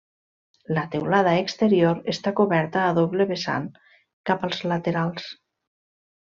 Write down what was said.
La teulada exterior està coberta a doble vessant cap a laterals.